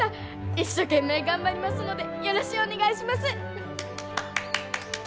一生懸命頑張りますのでよろしゅうお願いします！